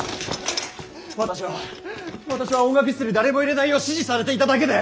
私は私は音楽室に誰も入れないよう指示されていただけで。